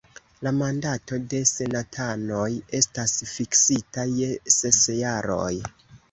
La mandato de senatanoj estas fiksita je ses jaroj.